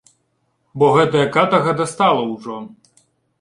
Бо гэтая катарга дастала ўжо!